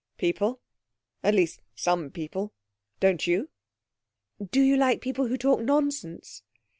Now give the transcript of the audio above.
'People; at least, some people. Don't you?' 'Do you like people who talk nonsense?'